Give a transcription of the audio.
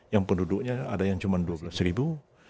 yang penduduknya ada yang cuma dua belas ribu